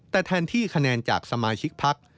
แต่แทนที่คะแนนจากสมาชิกพัก